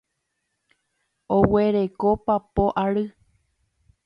Oguereko papo ary.